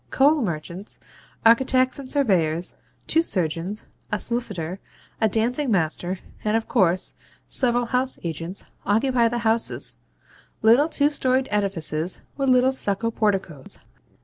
Coal merchants, architects and surveyors, two surgeons, a solicitor, a dancing master, and of course several house agents, occupy the houses little two storeyed edifices with little stucco porticoes.